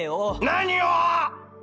何を？